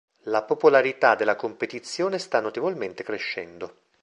La popolarità della competizione sta notevolmente crescendo.